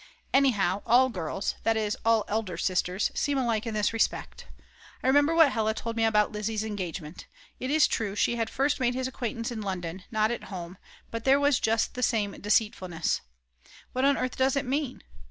Anyhow, all girls, that is all elder sisters, seem alike in this respect. I remember what Hella told me about Lizzi's engagement. It is true, she had first made his acquaintance in London, not at home; but there was just the same deceitfulness. What on earth does it mean?